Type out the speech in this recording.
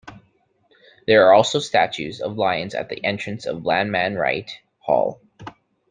There are also statues of lions at the entrance to Lanman-Wright Hall.